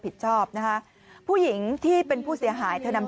ตำรวจบอกว่าแค่ผลักไม่ถือว่าเป็นการทำร้ายร่างกาย